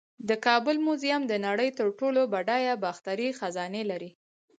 د کابل میوزیم د نړۍ تر ټولو بډایه باختري خزانې لري